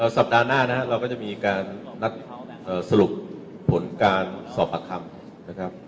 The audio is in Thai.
สัปดาห์หน้านะครับเราก็จะมีการนัดสรุปผลการสอบปากคำนะครับ